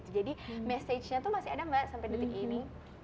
jadi messagenya tuh masih ada mbak sampai detik ini